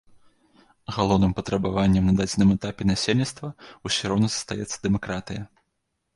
Галоўным патрабаваннем на дадзеным этапе насельніцтва ўсё роўна застаецца дэмакратыя.